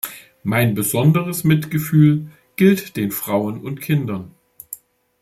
Mein besonderes Mitgefühl gilt den Frauen und Kindern.